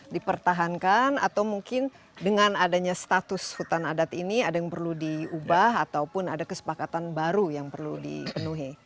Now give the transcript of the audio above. dipertahankan atau mungkin dengan adanya status hutan adat ini ada yang perlu diubah ataupun ada kesepakatan baru yang perlu dipenuhi